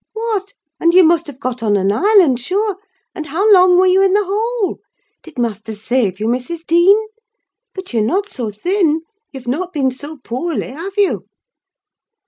What! and you must have got on an island, sure? And how long were you in the hole? Did master save you, Mrs. Dean? But you're not so thin—you've not been so poorly, have you?"